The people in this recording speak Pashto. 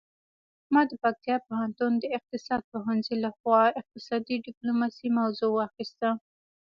ما د پکتیا پوهنتون د اقتصاد پوهنځي لخوا اقتصادي ډیپلوماسي موضوع واخیسته